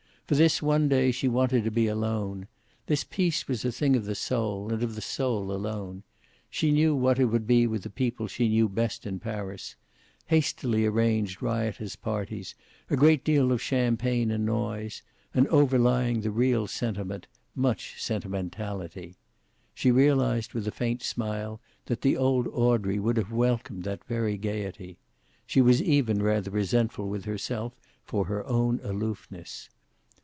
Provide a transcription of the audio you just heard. For this one day she wanted to be alone. This peace was a thing of the soul, and of the soul alone. She knew what it would be with the people she knew best in Paris, hastily arranged riotous parties, a great deal of champagne and noise, and, overlying the real sentiment, much sentimentality. She realized, with a faint smile, that the old Audrey would have welcomed that very gayety. She was even rather resentful with herself for her own aloofness.